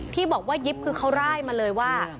ที่บอกว่ายิบคือเขาร่ายมาเลยว่า